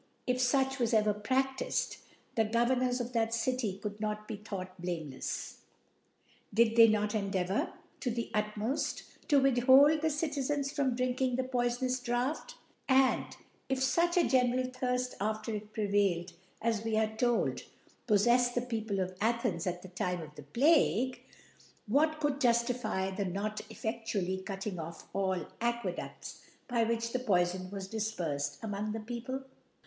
if fuch was ever pradifed, the Governors of that City could not be thought. blamekis, did they not endeavour, C 4 to ( 32 ) to the utmoff, to with hold the Citizens from drinking the poifonous Draught ; and if fuch a general ThirA after ft prevail^, as, we are rold, poffeffcd the People of jtbens at the Time of the Plague *, what could jufiify the not effedually cutting off all Aquedufts, by which the Poifon was difperfed among the People